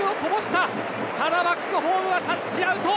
ただバックホームはタッチアウト。